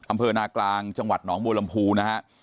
อำเภอนากลางจังหวัดหนองบัวลำพูนะฮะ